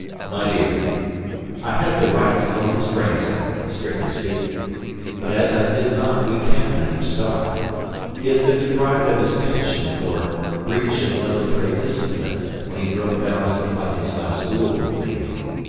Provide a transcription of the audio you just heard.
"My dear, I had the right to blow his brains out strictly speaking. But as I did not we can't let him starve. He has been deprived of his pension for 'breach of military discipline' when he broke bounds to fight his last duel with me.